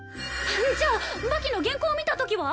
じゃあ『バキ』の原稿見た時は？